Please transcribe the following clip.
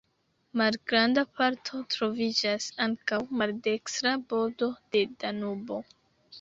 Malgranda parto troviĝas ankaŭ maldekstra bordo de Danubo.